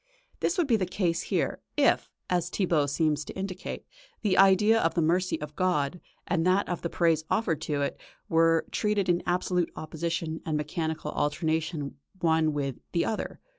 This would be the case here, if, as Thibaut seems to indicate, the idea of the mercy of God, and that of the praise offered to it, were treated in absolute opposition and mechanical alternation one with the other.